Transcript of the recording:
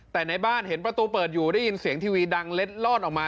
แต่ในบ้านเห็นประตูเปิดอยู่ได้ยินเสียงทีวีดังเล็ดลอดออกมา